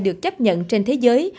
được chấp nhận trên thế giới